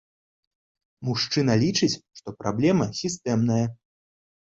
Мужчына лічыць, што праблема сістэмная.